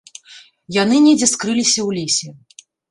Яны недзе скрыліся ў лесе.